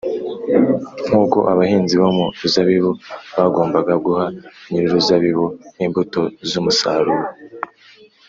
nk’uko abahinzi bo mu ruzabibu bagombaga guha nyir’uruzabibu imbuto z’umusaruro,